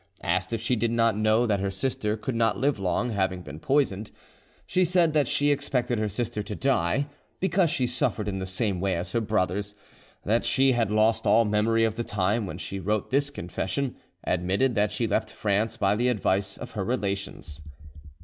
Asked if she did not know that her sister could not live long, having been poisoned, she said that she expected her sister to die, because she suffered in the same way as her brothers; that she had lost all memory of the time when she wrote this confession; admitted that she left France by the advice of her relations.